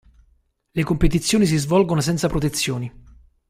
Le competizioni si svolgono senza protezioni.